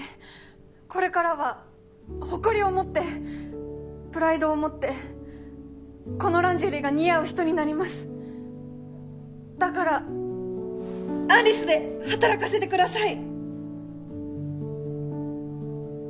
これからは誇りを持ってプライドを持ってこのランジェリーが似合う人になりますだからアン・リスで働かせてください！